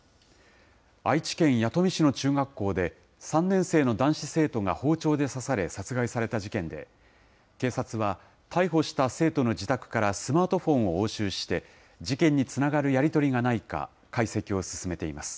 愛知県弥富市の中学校で３年生の男子生徒が包丁で刺され、殺害された事件で、警察は、逮捕した生徒の自宅からスマートフォンを押収して、事件につながるやり取りがないか、解析を進めています。